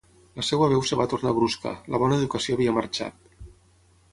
La seva veu es va tornar brusca, la bona educació havia marxat.